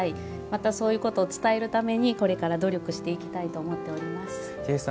また、そういうことを伝えるためこれから努力していきたいと思っております。